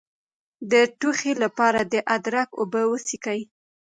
د ټوخي لپاره د ادرک اوبه وڅښئ